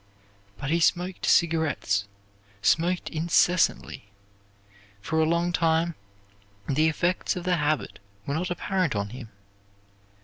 But he smoked cigarettes, smoked incessantly. For a long time the effects of the habit were not apparent on him.